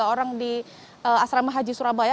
tiga orang di asrama haji surabaya